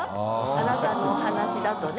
あなたのお話だとね。